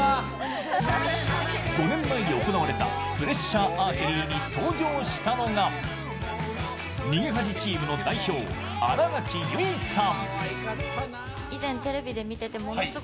５年前に行われた「プレッシャーアーチェリー」に登場したのが、「逃げ恥」チームの代表、新垣結衣さん。